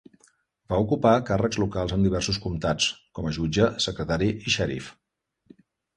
Va ocupar càrrecs locals en diversos comtats, com a jutge, secretari i xèrif.